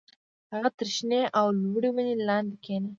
هغه تر شنې او لوړې ونې لاندې کېنه